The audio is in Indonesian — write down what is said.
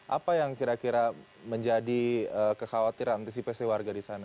apa yang kira kira menjadi kekhawatiran antisipasi warga di sana